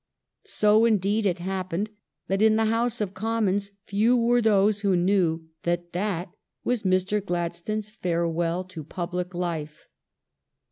So indeed it happened that in the House of Commons few were those who knew that that was Mr. Gladstone's farewell to public life.